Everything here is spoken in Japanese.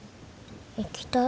行きたい。